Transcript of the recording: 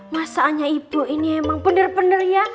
masa aja ibu ini emang bener bener ya